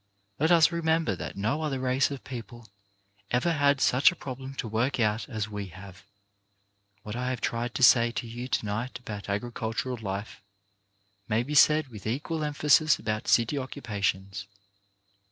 Let us remember that no other race of people ever had just such a problem to work out as we have. What I have tried to say to you to night about agricultural life may be said with equal emphasis about city occupations.